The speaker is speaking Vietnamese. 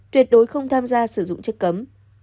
tuyệt đối không tham gia sử dụng chất cấm